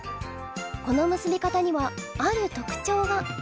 この結び方にはある特徴が。